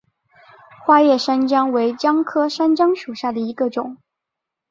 花叶山姜为姜科山姜属下的一个种。